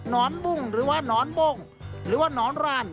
นอนบุ้งหรือว่านอนบ้งหรือว่านอนราน